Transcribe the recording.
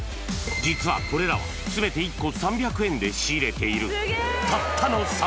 実はこれらはすべて１個３００円で仕入れている。